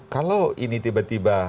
kalau ini tiba tiba